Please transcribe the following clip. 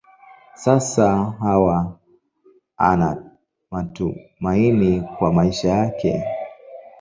Sasa Hawa ana matumaini kwa maisha yake.